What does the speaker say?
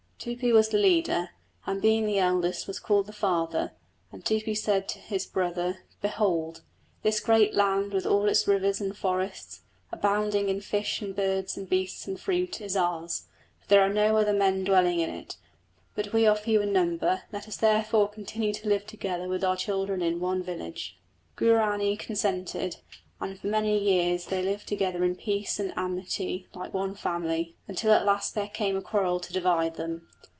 Tupi was the leader, and being the eldest was called the father, and Tupi said to his brother: Behold, this great land with all its rivers and forests, abounding in fish and birds and beasts and fruit, is ours, for there are no other men dwelling in it; but we are few in number, let us therefore continue to live together with our children in one village. Guarani consented, and for many years they lived together in peace and amity like one family, until at last there came a quarrel to divide them.